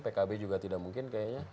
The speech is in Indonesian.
pkb juga tidak mungkin